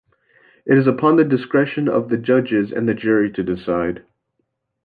It is upon the discretion of the judges and the jury to decide.